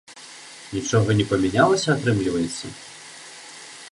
Нічога не памянялася, атрымліваецца?